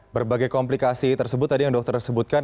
berbagai komplikasi tersebut tadi yang dokter sebutkan